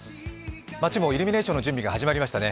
街もイルミネーションの準備が始まりましたね。